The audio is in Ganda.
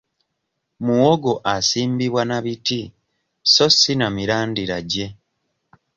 Muwogo asimbibwa na biti so si na mirandira gye.